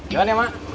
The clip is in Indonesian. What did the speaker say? jalan ya mak